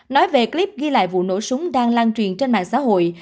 nói về clip ghi lại vụ nổ súng đang lan truyền trên mạng xã hội